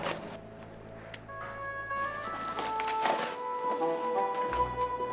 pemud christian ini selalu black pepper